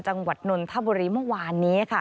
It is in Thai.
จังหวัดนนทบุรีเมื่อวานนี้ค่ะ